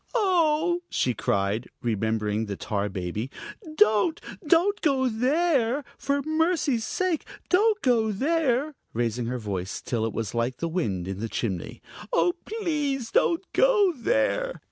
"Oh!" she cried, remembering the tar baby. "Don't! Don't go there! For mercy's sake, don't go there!" raising her voice till it was like the wind in the chimney. "Oh, please don't go there!"